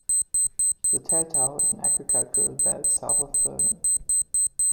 The Teltow is an agricultural belt south of Berlin.